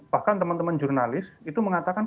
bahkan teman teman jurnalis itu mengatakan